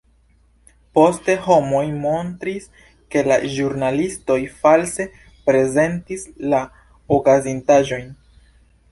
Poste homoj montris, ke la ĵurnalistoj false prezentis la okazintaĵojn.